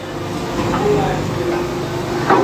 Olaria